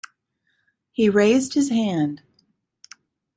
He raised his hand.